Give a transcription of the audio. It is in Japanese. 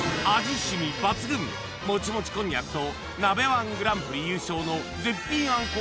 染み抜群モチモチこんにゃくと鍋−１グランプリ優勝の絶品あんこう